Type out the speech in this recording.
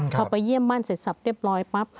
พอไปเยี่ยมมั่นเสร็จสับเรียบร้อยปั๊บ